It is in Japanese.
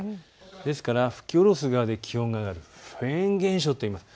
ですから吹き降ろす側で気温が上がるフェーン現象といいます。